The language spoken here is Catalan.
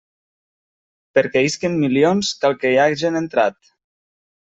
Perquè isquen milions cal que hi hagen entrat.